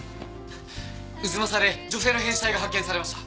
太秦で女性の変死体が発見されました。